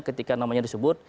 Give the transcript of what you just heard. ketika namanya disebut